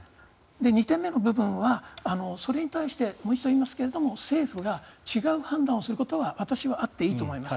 ２点目の部分は、それに対してもう一度言いますが政府が違う判断をすることは私はあっていいと思います。